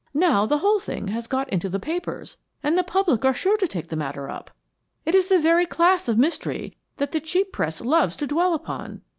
Now the whole thing has got into the papers, and the public are sure to take the matter up. It is the very class of mystery that the cheap press loves to dwell upon.